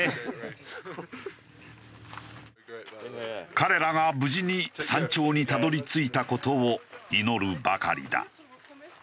彼らが無事に山頂にたどり着いた事を祈るばかりだ。